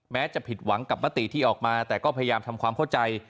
จะผิดหวังกับมติที่ออกมาแต่ก็พยายามทำความเข้าใจ